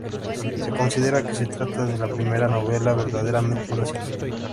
Se considera que se trata de la primera novela verdaderamente nacional.